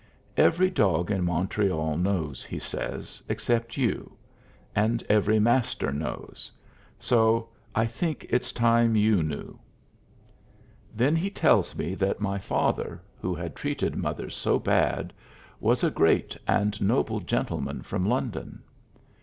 "Every dog in Montreal knows," he says, "except you; and every Master knows. So I think it's time you knew." Then he tells me that my father, who had treated mother so bad, was a great and noble gentleman from London.